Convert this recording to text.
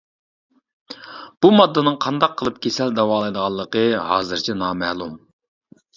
بۇ ماددىنىڭ قانداق قىلىپ كېسەل داۋالايدىغانلىقى ھازىرچە نامەلۇم.